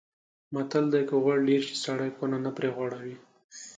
متل دی: که غوړي ډېر شي سړی کونه نه پرې غوړوي.